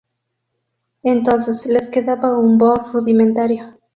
Entonces les quedaba un "bō" rudimentario.